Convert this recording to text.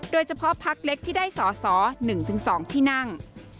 โดยเฉพาะพักเล็กที่ได้สอสอ๑๒ที่นั่ง